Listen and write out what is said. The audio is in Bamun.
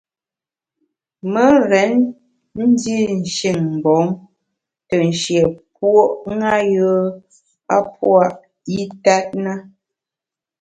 Me rén ndi shin mgbom te nshié puo’ ṅa a pua’ itèt na.